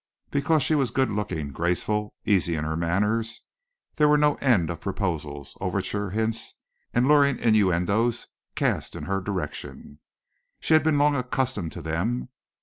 Because she was good looking, graceful, easy in her manners, there were no end of proposals, overtures, hints and luring innuendos cast in her direction. She had long been accustomed to them.